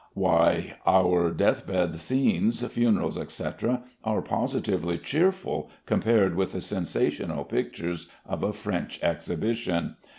Why, our deathbed scenes, funerals, etc., are positively cheerful, compared with the sensational pictures of a French exhibition.